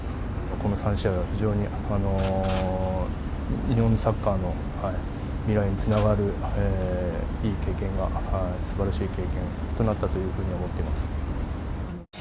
この３試合は非常に日本のサッカーの未来につながるいい経験が素晴らしい経験だったと思っています。